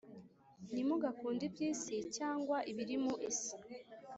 Ntimugakunde iby'isi cyangwa ibiri mu isi